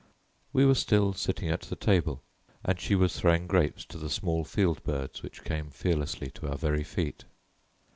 We were still sitting at the table, and she was throwing grapes to the small field birds which came fearlessly to our very feet.